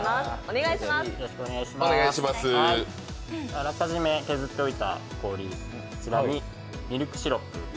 あらかじめ削っておいた氷、こちらにミルクシロップ。